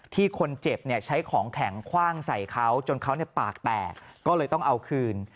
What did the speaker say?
ที่คนเจ็บใช้ของแข็งคว่างใส่เขาจนเขาปากแตกก็เลยต้องเอาคืน